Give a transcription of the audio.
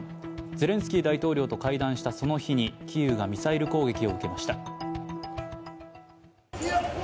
ゼレンスキー大統領と会談をしたその日に、キーウがミサイル攻撃を受けました。